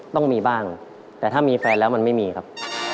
ต้องมีบ้างแต่ถ้ามีแฟนแล้วมันไม่มีครับ